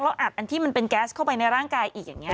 อัดอันที่มันเป็นแก๊สเข้าไปในร่างกายอีกอย่างนี้